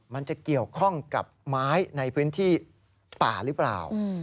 มันจะเกี่ยวข้องกับไม้ในพื้นที่ป่าหรือเปล่า